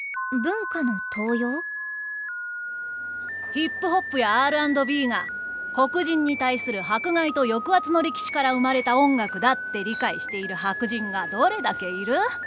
ヒップホップやＲ＆Ｂが黒人に対する迫害と抑圧の歴史から生まれた音楽だって理解している白人がどれだけいる？